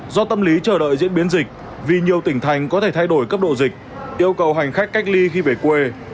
do tâm lý chờ đợi diễn biến dịch vì nhiều tỉnh thành có thể thay đổi cấp độ dịch yêu cầu hành khách cách ly khi về quê